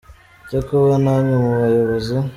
Cyo kuba namwe mu bayobozi